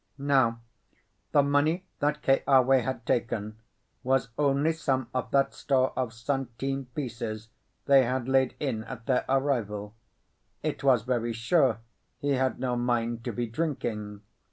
Now, the money that Keawe had taken was only some of that store of centime pieces they had laid in at their arrival. It was very sure he had no mind to be drinking.